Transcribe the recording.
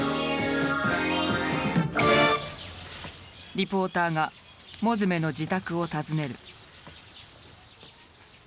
リポーターが物集の自宅を訪ねる。